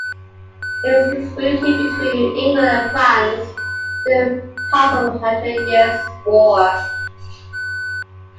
It was disputed between England and France during parts of the Hundred Years' War.